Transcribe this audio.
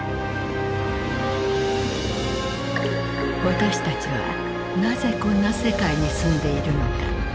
私たちはなぜこんな世界に住んでいるのか。